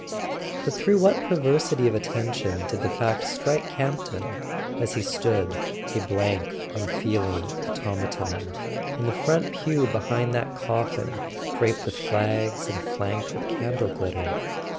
..[ 408 ] A SON AT THE FRONT But through what perversity of attention did the fact strike Campton, as he stood, a blank unfeeling automaton, in the front pew behind that coffin draped with flags and flanked with candle glitter?